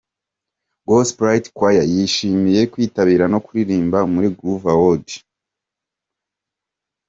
Gospel Light choir yishimiye kwitabira no kuririmba muri Groove Awards.